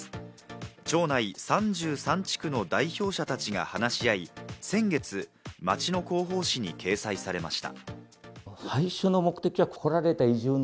町内３３地区の代表者たちが話し合い、先月、町の広報誌に掲載されました。